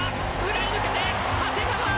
裏へ抜けて、長谷川！